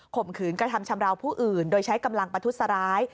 ข่มขืนกระทำชำราวผู้อื่นโดยใช้กำลังประทุษร้าย